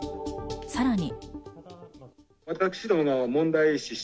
さらに。